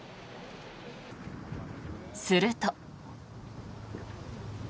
すると。